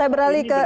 saya beralih ke